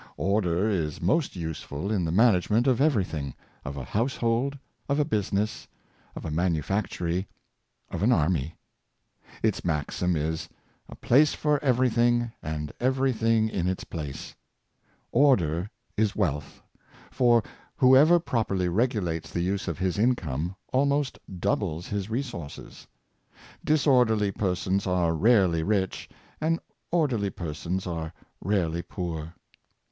Order is most useful in the management of every thing — of a household, of a business, of a manufactory, of an army. Its maxim is, "A place for every thing, and every thing in its place." Order is wealth; for, whoever 410 Examples of Economy, properly regulates the use of his income, almost doubles his resources. Disorderly persons are rarely rich, and orderly persons are rarely poor.